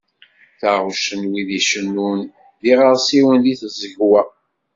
Taɣect n wid i cennun, d yiɣersiwen deg tẓegwa.